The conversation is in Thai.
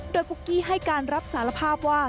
โดยปุ๊กกี้ให้การรับสารภาพว่า